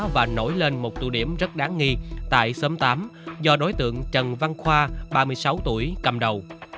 và nổi lên một tụ điểm rất đáng nghi tại xóm tám do đối tượng trần văn khoa ba mươi sáu tuổi cầm đầu